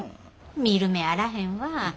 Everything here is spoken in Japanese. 見る目あらへんわあ。